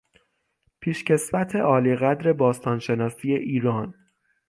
پیش کسوت عالیقدر باستان شناسی ایران